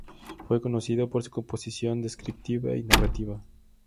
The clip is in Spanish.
Fue conocido por su composición descriptiva y narrativa.